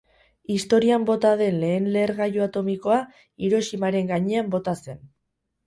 Historian bota den lehen lehergailu atomikoa Hiroshimaren gainean bota zen.